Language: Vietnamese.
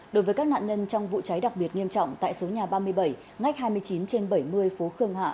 đối với các nạn nhân trong vụ cháy đặc biệt nghiêm trọng tại số nhà ba mươi bảy ngách hai mươi chín trên bảy mươi phố khương hạ